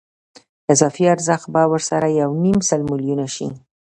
اضافي ارزښت به ورسره یو نیم سل میلیونه شي